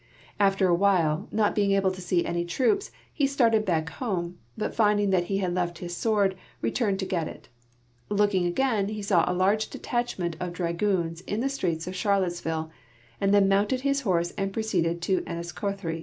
After awhile, not being able to see any troops, he started back home, but finding that he had left his sword returned to get it. Looking again, he saw a large detachment of dragoons in the streets of Charlottesville, and then mounted his horse and ])roceeded to Enniscorthy.